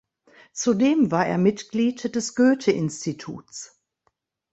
Zudem war er Mitglied des Goethe-Instituts.